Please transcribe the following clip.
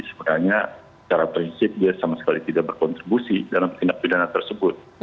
sebenarnya secara prinsip dia sama sekali tidak berkontribusi dalam tindak pidana tersebut